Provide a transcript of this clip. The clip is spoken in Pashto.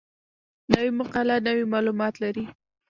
نوې مقاله نوي معلومات لري